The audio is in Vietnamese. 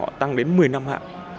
họ tăng đến một mươi năm hạng